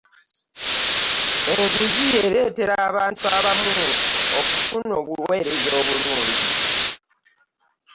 enguzi ereetera abantu abamu okufuna obuweereza obulungi.